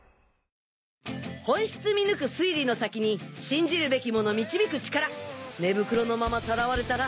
本質見抜く推理の先に信じるべきもの導く力寝袋のままさらわれた蘭。